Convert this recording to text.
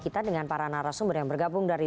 kita dengan para narasumber yang bergabung dari